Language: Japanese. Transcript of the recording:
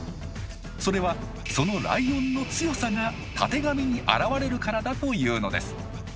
それはそのライオンの「強さ」がたてがみに表れるからだというのです。